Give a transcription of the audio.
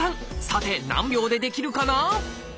さて何秒でできるかな？